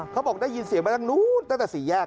เขาบอกได้ยินเสียงมาทางนู้นตั้งแต่สี่แยก